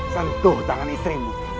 sentuh tangan istrimu